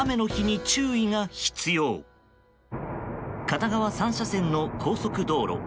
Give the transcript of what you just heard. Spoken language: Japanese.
片側３車線の高速道路。